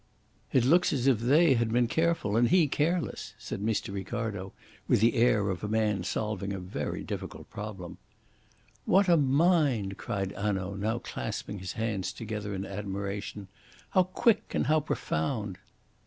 "It looks as if they had been careful and he careless," said Mr. Ricardo, with the air of a man solving a very difficult problem. "What a mind!" cried Hanaud, now clasping his hands together in admiration. "How quick and how profound!"